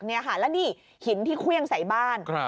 และนี่หินที่ขึ้งใส่บ้าน